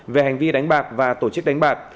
về hành vi đánh bạc và tổ chức đánh bạc